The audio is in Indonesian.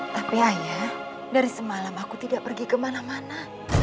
tapi ayah dari semalam aku tidak pergi kemana mana